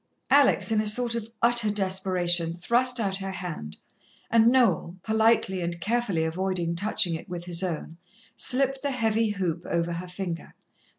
Alex, in a sort of utter desperation, thrust out her hand, and Noel, politely and carefully avoiding touching it with his own, slipped the heavy hoop over her finger.